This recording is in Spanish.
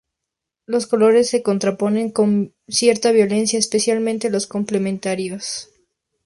Los colores se contraponen con cierta violencia, especialmente los complementarios.